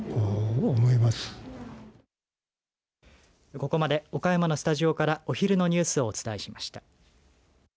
ここまで岡山のスタジオからお昼のニュースをお伝えしました。